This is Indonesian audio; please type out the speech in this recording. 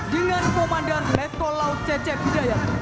dengan komandan letkol laut cecep hidayat